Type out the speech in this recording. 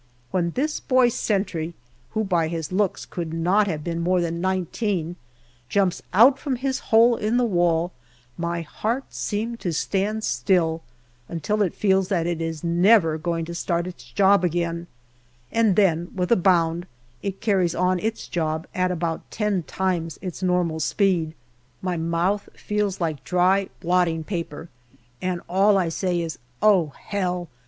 When this boy sentry, who by his looks could not have been more than nineteen, jumps out from his hole in the wall, my heart seems to stand still, until it feels that it is never going to start its job again, and then with a bound it carries on its job at about ten times its normal speed. My mouth feels like dry blotting paper, and all I say is, " Oh, hell